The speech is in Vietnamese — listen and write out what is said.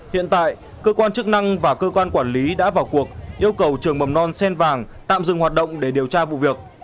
hiện tại cơ quan chức năng và cơ quan quản lý đã vào cuộc yêu cầu trường mầm non sen vàng tạm dừng hoạt động để điều tra vụ việc